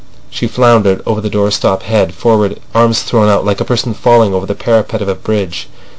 She floundered over the doorstep head forward, arms thrown out, like a person falling over the parapet of a bridge.